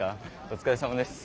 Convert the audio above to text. お疲れさまです。